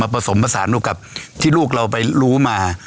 ผสมผสานลูกกับที่ลูกเราไปรู้มา